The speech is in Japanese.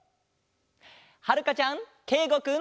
はるかちゃんけいごくん。